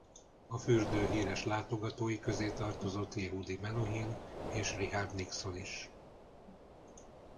A fürdő híres látogatói közé tartozott Yehudi Menuhin és Richard Nixon is.